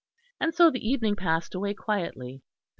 And so the evening passed away quietly.